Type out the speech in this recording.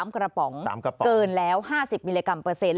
กระป๋อง๓กระป๋อเกินแล้ว๕๐มิลลิกรัมเปอร์เซ็นต